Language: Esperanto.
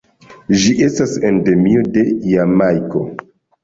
Ĝi estas endemio de Jamajko.